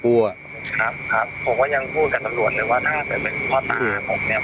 ครับครับผมก็ยังพูดกับตำรวจเลยว่าถ้าเกิดเป็นพ่อตาผมเนี่ย